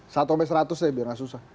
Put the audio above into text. satu sampai seratus saya biar nggak susah